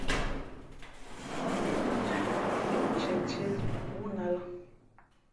Mbǔʼ mά zʉʼ pó ndóʼ ntīēntíé wú nά ā lά.